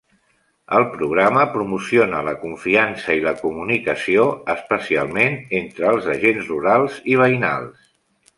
El programa promociona la confiança i la comunicació, especialment entre els agents rurals i veïnals.